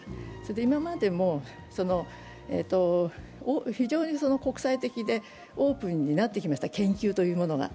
今までも非常に国際的でオープンになってきました、研究というものが。